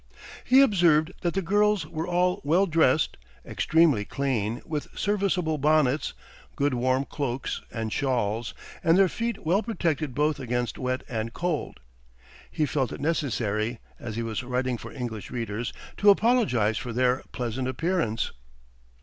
He observed that the girls were all well dressed, extremely clean, with serviceable bonnets, good warm cloaks and shawls, and their feet well protected both against wet and cold. He felt it necessary, as he was writing for English readers, to apologize for their pleasant appearance.